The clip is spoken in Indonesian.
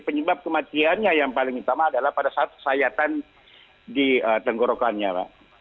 penyebab kematiannya yang paling utama adalah pada saat sayatan di tenggorokannya pak